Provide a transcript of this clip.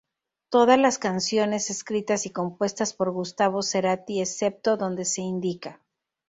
Todas las canciones escritas y compuestas por Gustavo Cerati, excepto donde se indica.